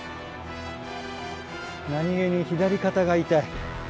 何げに左肩が痛い。